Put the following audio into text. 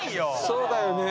そうだよね。